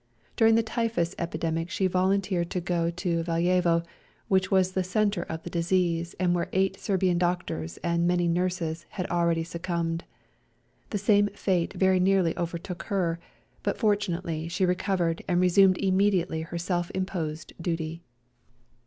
During the typhus epidemic she volun teered to go to Valjevo, which was the centre of the disease and where eight Serbian doctors and many nurses had already succumbed. The same fate very nearly overtook her, but fortunately she recovered and resumed immediately her self imposed duty.